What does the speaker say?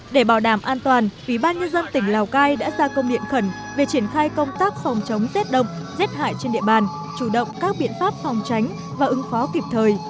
để bảo đảm an toàn ủy ban nhân dân tỉnh lào cai đã ra công điện khẩn về triển khai công tác phòng chống rét đậm rét hại trên địa bàn chủ động các biện pháp phòng tránh và ứng phó kịp thời